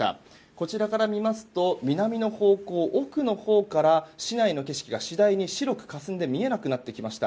こちらから見ますと南の方向、奥のほうから市内の景色が次第に白くかすんで見えなくなってきました。